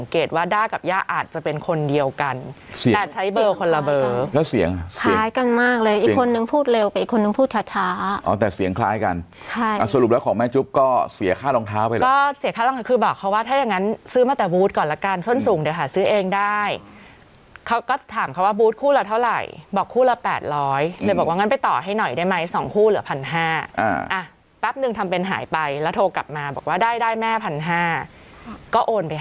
เกตว่าด้ากับยาอาจจะเป็นคนเดียวกันแต่ใช้เบอร์คนละเบอร์แล้วเสียงคล้ายกันมากเลยอีกคนนึงพูดเร็วกับอีกคนนึงพูดช้าช้าอ๋อแต่เสียงคล้ายกันใช่อ่ะสรุปแล้วของแม่จุ๊บก็เสียค่ารองเท้าไปก็เสียค่ารองเท้าคือบอกเขาว่าถ้าอย่างงั้นซื้อมาแต่บู๊ดก่อนละกันส้นสูงเดี๋ยวหาซื้อเองได้เขาก